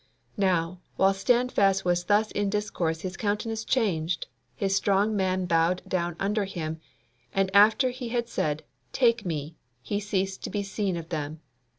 Now, while Standfast was thus in discourse his countenance changed, his strong man bowed down under him, and after he had said "Take me!" he ceased to be seen of them.